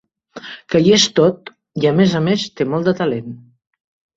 Que hi és tot, i a més a més, té molt de talent.